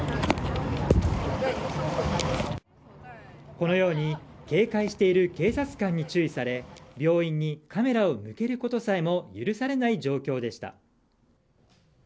このように警戒している警察官に注意され病院にカメラを向けることさえも許されない状況でした。